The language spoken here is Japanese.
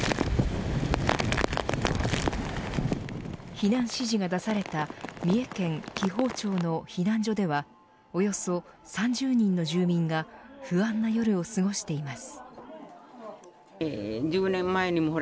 避難指示が出された三重県紀宝町の避難所ではおよそ３０人の住民が不安な夜を過ごしています。